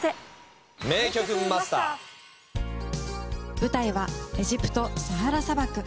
舞台はエジプトサハラ砂漠。